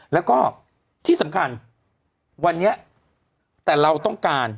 แล้วก็ที่สำคัญวันนี้แต่เราต้องการ